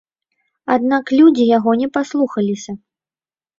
Аднак людзі яго не паслухаліся.